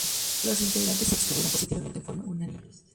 Los integrantes se expidieron positivamente en forma unánime.